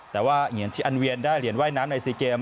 แต่ว่าเหงียนชิอันเวียนได้เหรียญว่ายน้ำใน๔เกม